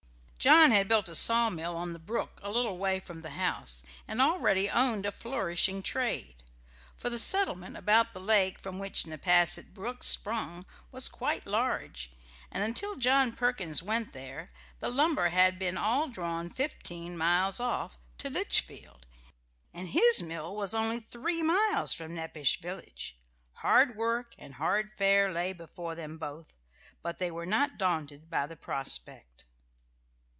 John had built a sawmill on the brook a little way from the house, and already owned a flourishing trade, for the settlement about the lake from which Nepasset Brook sprung was quite large, and till John Perkins went there the lumber had been all drawn fifteen miles off, to Litchfield, and his mill was only three miles from Nepash village. Hard work and hard fare lay before them both, but they were not daunted by the prospect....